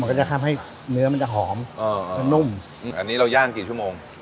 มันก็จะทำให้เนื้อมันจะหอมนุ่มอันนี้เราย่างกี่ชั่วโมง